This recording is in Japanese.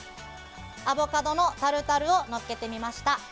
アボカドのタルタルを載っけてみました。